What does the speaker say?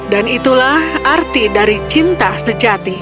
dan itulah arti dari cinta sejati